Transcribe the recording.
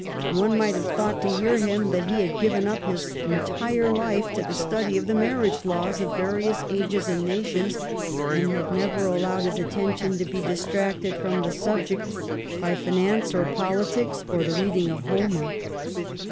One might have thought, to hear him, that he had I given up his en tire life to the study of the mar riage laws of various ages and nations, and had never allowed his attention to be distracted from the subject by finance or politics or the reading of Homer.